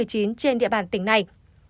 trên địa bàn tỉnh này